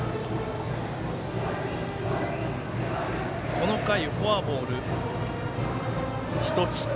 この回、フォアボール１つ。